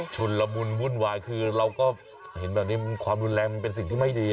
ุนละมุนวุ่นวายคือเราก็เห็นแบบนี้ความรุนแรงมันเป็นสิ่งที่ไม่ดี